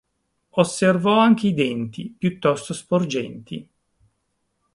Osservò anche i denti, piuttosto sporgenti.